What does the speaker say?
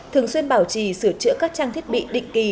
thường xuyên bảo trì sửa chữa các trang thiết bị định kỳ